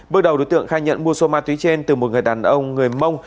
bước đầu đối tượng khai nhận mua số ma túy trên từ một người đàn ông người mông